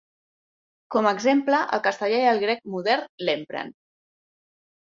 Com a exemple, el castellà i el grec modern l'empren.